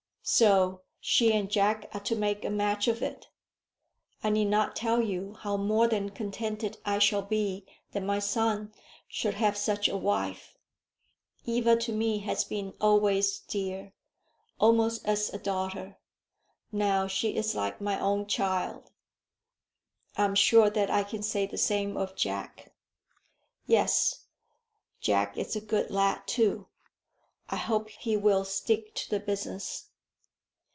So she and Jack are to make a match of it. I need not tell you how more than contented I shall be that my son should have such a wife. Eva to me has been always dear, almost as a daughter. Now she is like my own child." "I am sure that I can say the same of Jack." "Yes; Jack is a good lad too. I hope he will stick to the business."